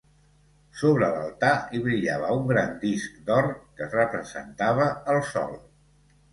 Sobre l'altar, hi brillava un gran disc d'or, que representava el Sol.